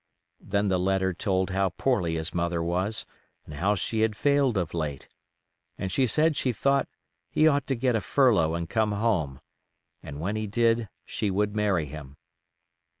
Then the letter told how poorly his mother was and how she had failed of late, and she said she thought he ought to get a furlough and come home, and when he did she would marry him.